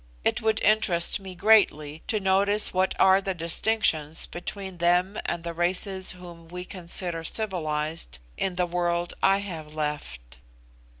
It would interest me greatly to notice what are the distinctions between them and the races whom we consider civilised in the world I have left."